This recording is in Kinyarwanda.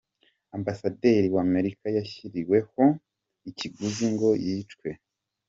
Ambasaderi wa Amerika yashyiriweho ikiguzi ngo yicwe